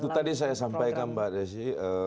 itu tadi saya sampaikan mbak desi